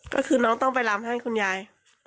ก็คือน้องต้องไปลำให้คุณยาย